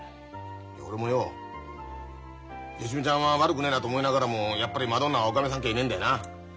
いや俺もよ芳美ちゃんは悪くねえなと思いながらもやっぱりマドンナはおかみさんっきゃいねえんだよな。